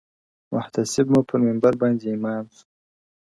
محتسب مو پر منبر باندي امام سو -